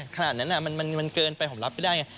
ขนาดนั้นมันเกินไปผมรับไม่ได้ไง